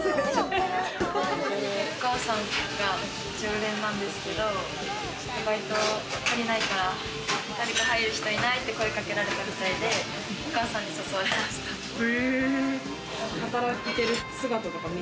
お母さんが常連なんですけどバイト足りないから、誰か入る人いないって声掛けられたんで、働いてる姿とか？